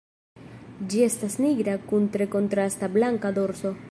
Ĝi estas nigra kun tre kontrasta blanka dorso.